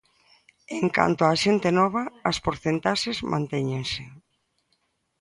En canto á xente nova, as porcentaxes mantéñense.